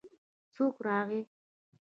څوک راغی.